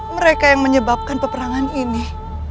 mereka yang menyebabkan peperangan ini